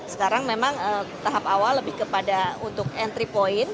sekarang memang tahap awal lebih kepada untuk entry point